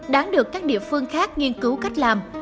đáng được các địa phương khác nghiên cứu cách làm